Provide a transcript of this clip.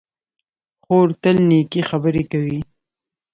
خور تل نېکې خبرې کوي.